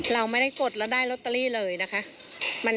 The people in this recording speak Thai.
เราไม่ได้กดแล้วได้ลอตเตอรี่เลยนะคะ